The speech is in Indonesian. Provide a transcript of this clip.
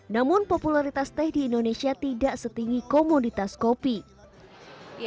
namun popularitas teh di indonesia tidak setinggi komoditas kopi